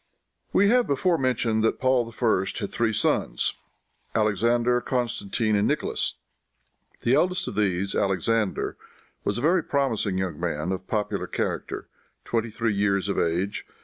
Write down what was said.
We have before mentioned that Paul I. had three sons Alexander, Constantine and Nicholas. The eldest of these, Alexander, was a very promising young man, of popular character, twenty three years of age.